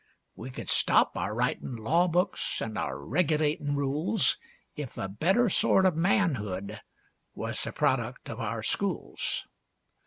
We could stop our writin' law books an' our regulatin' rules If a better sort of manhood was the product of our schools.